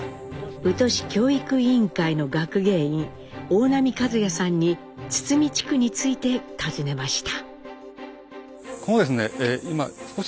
宇土市教育委員会の学芸員大浪和弥さんに堤地区について尋ねました。